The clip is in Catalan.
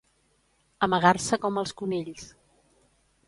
Amagar-se com els conills.